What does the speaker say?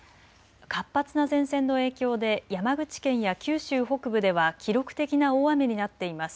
活発な前線の影響で山口県や九州北部では記録的な大雨になっています。